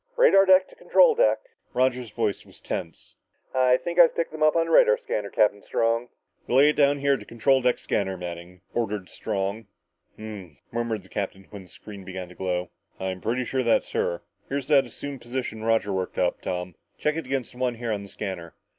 "Radar deck to control deck!" Roger's voice was tense. "I think I've picked them up on the radar scanner, Captain Strong!" "Relay it down here to control deck scanner, Manning," ordered Strong. "Ummmh!" murmured the captain when the screen began to glow. "I'm pretty sure that's her. Here's that assumed position Roger worked up, Tom. Check it against this one here on the scanner."